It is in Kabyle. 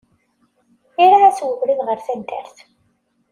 Iraε-as ubrid ɣer taddart.